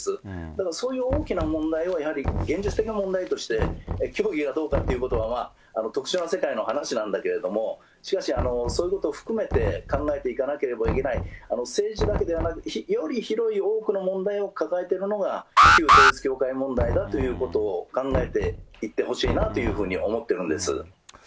だからそういう大きな問題をやはり現実的な問題として教義がどうかということはまあ、特殊な世界の話なんだけれども、しかしそういうことを含めて考えていかなければいけない、政治だけではなく、より広い多くの問題を抱えてるのが旧統一教会問題だということを考えていってほしいなというふうに思ってるんです。